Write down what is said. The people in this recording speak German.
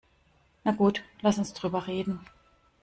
Na gut, lass uns drüber reden.